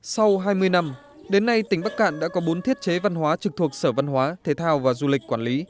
sau hai mươi năm đến nay tỉnh bắc cạn đã có bốn thiết chế văn hóa trực thuộc sở văn hóa thể thao và du lịch quản lý